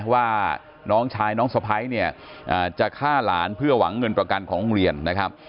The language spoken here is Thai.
ว่าน้องชายน้องสะพ้ายเนี่ยจะฆ่าหลานเพื่อหวังเงินประกันของโรงเรียนนะครับ